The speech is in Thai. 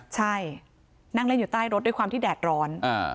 ใช่นั่งเล่นอยู่ใต้รถด้วยความที่แดดร้อน